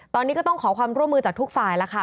ตอนนี้ก็ต้องขอความร่วมมือจากทุกฝ่ายแล้วค่ะ